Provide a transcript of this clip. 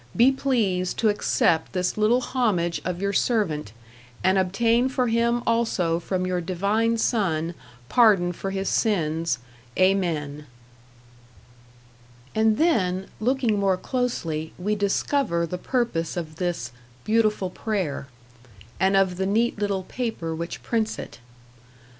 be pleased to accept this little homage of your servant, and obtain for him also from your divine Son pardon for his sins, Amen. And then, looking more closely, we discover the purpose of this "beautiful prayer", and of the neat little paper which prints it.